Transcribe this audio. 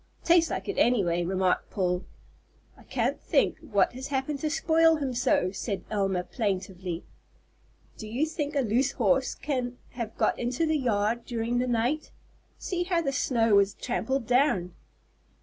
"Tastes like it, any way," remarked Paul. "I can't think what has happened to spoil him so," said Elma, plaintively. "Do you think a loose horse can have got into the yard during the night? See how the snow is trampled down!"